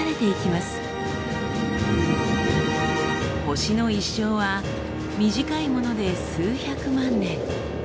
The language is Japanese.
星の一生は短いもので数百万年。